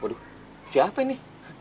waduh siapa ini